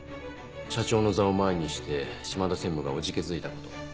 社長の座を前にして島田専務がおじけづいたこと。